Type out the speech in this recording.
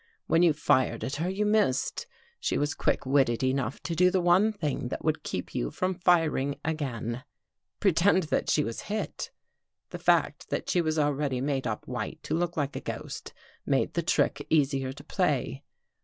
When you fired at her, you missed. She was quick witted enough to do the one thing that would keep you from firing again — pre tend that she was hit. The fact that she was already made up white to look like a ghost, made the trick easier to play.